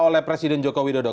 oleh presiden joko widodo